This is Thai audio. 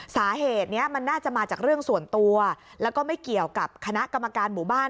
สาเหตุนี้มันน่าจะมาจากเรื่องส่วนตัวแล้วก็ไม่เกี่ยวกับคณะกรรมการหมู่บ้าน